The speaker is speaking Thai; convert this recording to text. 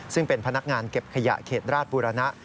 ซึ่งเป็นพนักงานเก็บขยะเขตราชบุรณะ